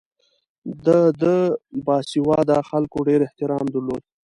ده د باسواده خلکو ډېر احترام درلود.